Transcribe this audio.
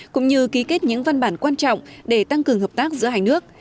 cũng như ký kết những văn bản quan trọng để tăng cường hợp tác giữa hai nước